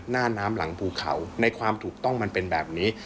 หน้าน้ำหลังภูเขาในความถูกต้องมันเป็นแบบนี้